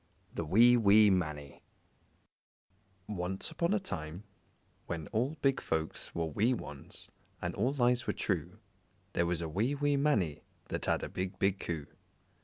The Wee, Wee Mannie Once upon a time, when all big folks were wee ones and all lies were true, there was a wee, wee Mannie that had a big, big Coo.